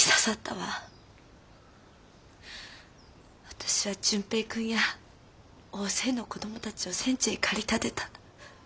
私は純平君や大勢の子どもたちを戦地へ駆り立てた。